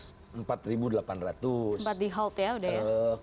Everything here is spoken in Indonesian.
sempat di halt ya